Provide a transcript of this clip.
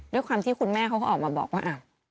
ด้วยความที่คุณแม่เขาก็ออกมาบอกว่า